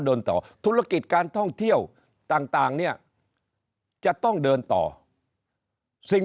เดินต่อธุรกิจการท่องเที่ยวต่างเนี่ยจะต้องเดินต่อสิ่ง